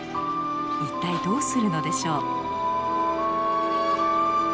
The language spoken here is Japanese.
一体どうするのでしょう？